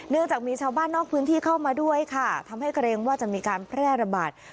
จากมีชาวบ้านนอกพื้นที่เข้ามาด้วยค่ะทำให้เกรงว่าจะมีการแพร่ระบาด